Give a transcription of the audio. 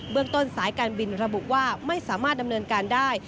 เรื่องต้นสายการบินระบุว่าไม่สามารถดำเนินการได้